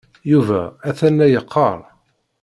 Yuba atan la yeqqar.